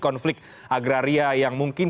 konflik agraria yang mungkin